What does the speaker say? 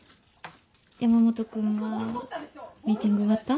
山本君はミーティング終わった？